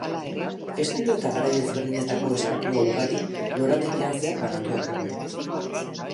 Estilo eta garai ezberdinetako estatua ugari, lorategian zehar banatuak daude.